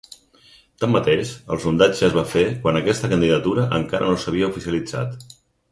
Tanmateix, el sondatge es va fer quan aquesta candidatura encara no s’havia oficialitzat.